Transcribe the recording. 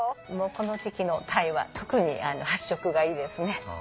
この時季のタイは特に発色がいいですね。